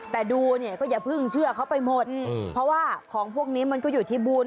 แต่ดูเนี่ยก็อย่าเพิ่งเชื่อเขาไปหมดเพราะว่าของพวกนี้มันก็อยู่ที่บุญ